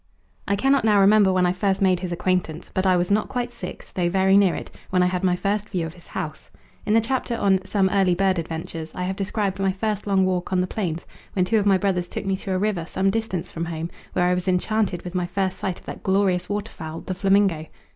I cannot now remember when I first made his acquaintance, but I was not quite six, though very near it, when I had my first view of his house. In the chapter on "Some Early Bird Adventures," I have described my first long walk on the plains, when two of my brothers took me to a river some distance from home, where I was enchanted with my first sight of that glorious waterfowl, the flamingo.